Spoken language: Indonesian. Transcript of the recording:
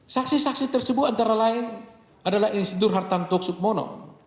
saksi saksi tersebut antara lain adalah insidur hartan toksuk mono